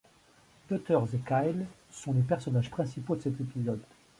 Butters et Kyle sont les personnages principaux de cet épisode.